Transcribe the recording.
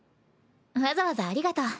わざわざありがとう。